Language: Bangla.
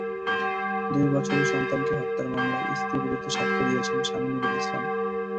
দুই বছরের সন্তানকে হত্যার মামলায় স্ত্রীর বিরুদ্ধে সাক্ষ্য দিয়েছেন স্বামী নুরুল ইসলাম।